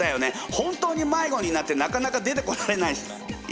本当に迷子になってなかなか出てこられない人いたよね？